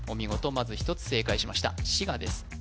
まず１つ正解しました滋賀です